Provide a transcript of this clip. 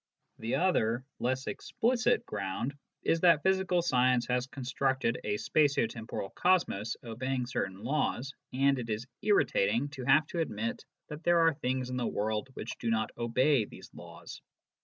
The other, less explicit, ground is that physical science has constructed a spatio temporal cosmos obeying certain laws, and it is irritating to have to admit that there are things in the world which do not obey these laws.